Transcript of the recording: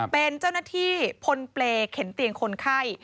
เป็นเจ้าหน้าที่พลเปรย์เข็นเตียงคนไข้